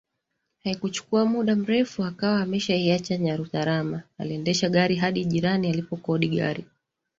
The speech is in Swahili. Haikuchukua muda mrefu akawa ameshaiacha Nyarutarama aliendesha gari hadi jirani alipokodi gari